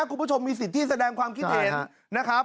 คุณผู้ชมมีสิทธิ์ที่แสดงความคิดเห็นนะครับ